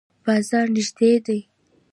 بازار نږدې دی؟